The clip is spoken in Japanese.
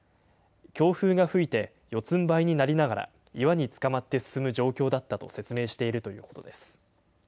強風が吹いて、四つんばいになりながら岩につかまって進む状況だったと説明しているということです。